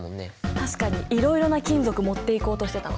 確かにいろいろな金属持っていこうとしてたわ。